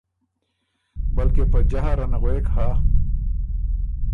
بلکې په جهر ان غوېک هۀ